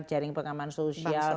jaring pengaman sosial